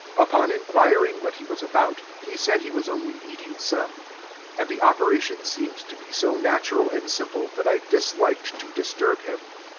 Upon inquiring what he was about, he said he was only eating some; and the operation seemed to be so natural and simple, that I disliked to disturb him.